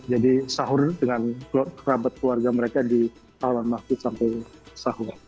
jadi sahur dengan kerabat keluarga mereka di halaman makjid sampai sahur